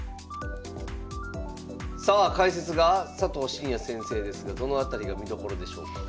さあ解説が佐藤紳哉先生ですがどの辺りが見どころでしょうか？